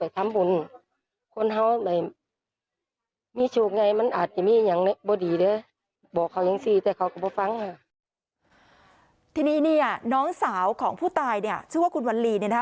ทีนี้นี่น้องสาวของผู้ตายชื่อว่าคุณวัลลีนะฮะ